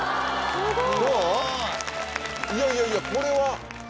すごい。